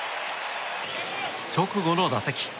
直後の打席。